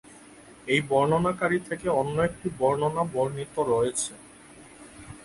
এই বর্ণনাকারী থেকে অন্য একটি বর্ণনা বর্ণিত রয়েছে।